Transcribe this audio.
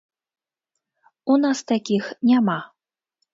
У нас такіх няма.